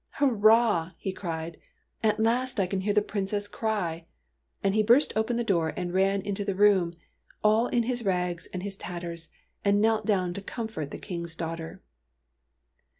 " Hurrah !" he cried. " At last I can hear the Princess cry!" And he burst open the door and ran into the room, all in his rags and his tatters, and knelt down to comfort the King's daughter.